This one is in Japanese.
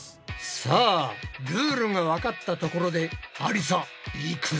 さあルールがわかったところでありさいくぞ！